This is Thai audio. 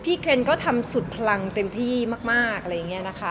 อ๋อก็พี่เคนก็ทำสุดพลังเต็มที่มากอะไรอย่างเงี้ยนะคะ